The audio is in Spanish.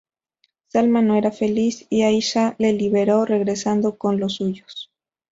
Salma no era feliz y Aisha la liberó, regresando con los suyos.